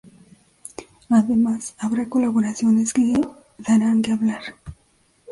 Además habrá colaboraciones que darán que hablar.